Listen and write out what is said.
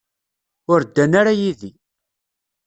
Ur ddan ara yid-i.